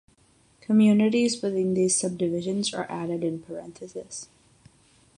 Communities within these subdivisions are added in parentheses.